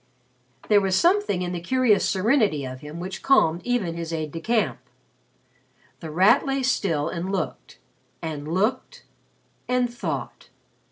There was something in the curious serenity of him which calmed even his aide de camp. The Rat lay still and looked and looked and thought.